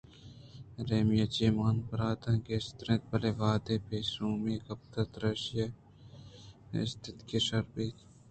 ایمیلیا چہ منءُبرٛاتءَکستراِنت بلئے وہدے پہ شومیءَ کپیت گڑا ایشی ءَ بد تر نیست اِنتءُاگاں شرّ بیت گڑا سک شرّ اِنت